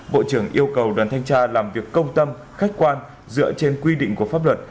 bộ trưởng yêu cầu đoàn thanh tra làm việc công tâm khách quan dựa trên quy định của pháp luật